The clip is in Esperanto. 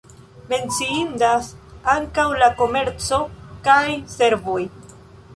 Menciindas ankaŭ la komerco kaj servoj.